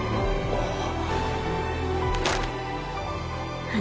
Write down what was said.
あっ。